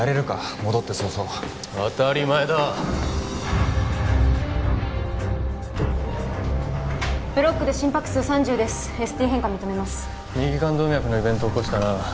戻って早々当たり前だブロックで心拍数３０ですＳＴ変化認めます右冠動脈のイベント起こしたな？